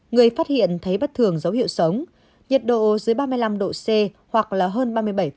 người phát hiện thấy bất thường dấu hiệu sống nhiệt độ dưới ba mươi năm độ c hoặc là hơn ba mươi bảy